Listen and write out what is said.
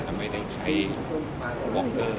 ก็ต้องใช้วอคเตอร์